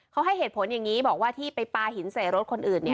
เขาให้เหตุผลอย่างนี้บอกว่าที่ไปปลาหินใส่รถคนอื่น